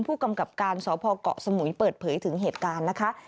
ผู้กำกับการสพเกาะสมุยเปิดเผยถึงเหตุการณ์นะคะ